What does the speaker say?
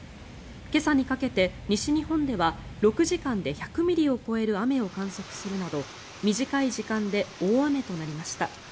今朝にかけて西日本では６時間で１００ミリを超える雨を観測するなど短い時間で大雨となりました。